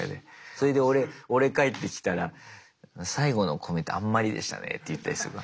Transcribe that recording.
それで俺帰ってきたら「最後のコメントあんまりでしたね」って言ったりするの。